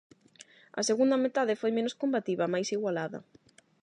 A segunda metade foi menos combativa, máis igualada.